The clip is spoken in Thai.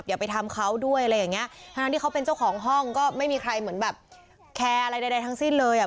อย่าไปทำเขาด้วยอะไรอย่างเงี้ยทั้งที่เขาเป็นเจ้าของห้องก็ไม่มีใครเหมือนแบบแคร์อะไรใดทั้งสิ้นเลยอ่ะ